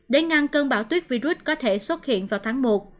để ngăn cơn bão tuyết virus có thể xuất hiện vào tháng một